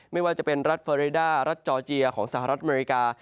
ไม่ว่าจะเป็นรัฐเฟอริดารัฐจอร์เจียของสหรัฐอเมริกา